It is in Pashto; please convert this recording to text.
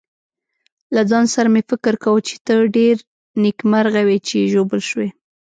له ځان سره مې فکر کاوه چې ته ډېر نېکمرغه وې چې ژوبل شوې.